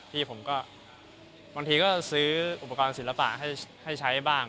พี่ผมก็บางทีก็ซื้ออุปกรณ์ศิลปะให้ใช้บ้าง